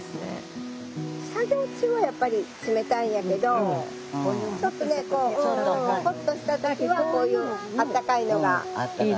作業中はやっぱり冷たいんやけどちょっとねほっとした時はこういうあったかいのがおいしいね。